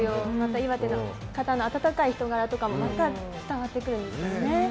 岩手の方の温かい人柄とかもまた、伝わってくるんですよね。